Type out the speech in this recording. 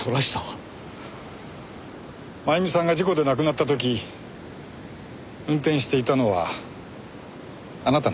真由美さんが事故で亡くなった時運転していたのはあなたなんです。